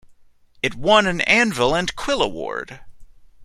It won an Anvil and Quill Award.